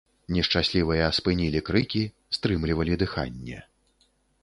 Нешчаслівыя спынілі крыкі, стрымлівалі дыханне.